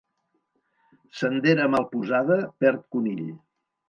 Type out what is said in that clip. Sendera mal posada perd conill.